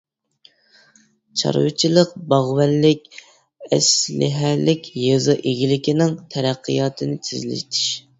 چارۋىچىلىق، باغۋەنلىك، ئەسلىھەلىك يېزا ئىگىلىكىنىڭ تەرەققىياتىنى تېزلىتىش.